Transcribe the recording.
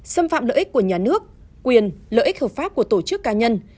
xâm phạm lợi ích của nhà nước quyền lợi ích hợp pháp của tổ chức cá nhân